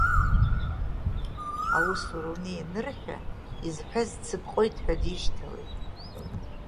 Аусура унеи анырҳәа, изҳәаз дсыԥҟоит ҳәа дишьҭалеит.